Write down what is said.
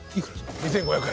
２，５００円？